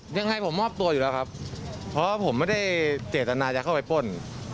ยังไงผมมอบตัวอยู่แล้วครับเพราะว่าผมไม่ได้เจตนาจะเข้าไปป้น